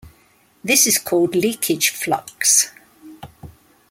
This is called "leakage flux".